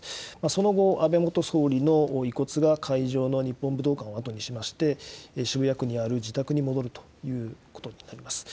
その後、安倍元総理の遺骨が会場の日本武道館を後にしまして、渋谷区にある自宅に戻るということになります。